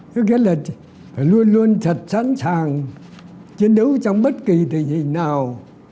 thế kết là luôn luôn thật sẵn sàng chiến đấu trong bất kỳ tình hình nào